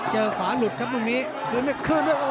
เจอขวาลุดครับวงนี้